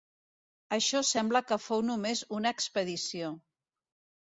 Això sembla que fou només una expedició.